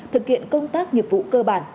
thực hiện công tác nghiệp vụ cơ bản